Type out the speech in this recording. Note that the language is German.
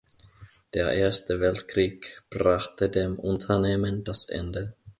Der Erste Weltkrieg brachte dem Unternehmen das Ende.